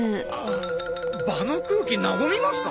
場の空気和みますか？